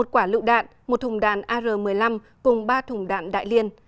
một quả lựu đạn một thùng đạn ar một mươi năm cùng ba thùng đạn đại liên